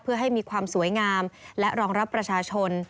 เพื่อให้มีความสวยงามและรองรับประชาชน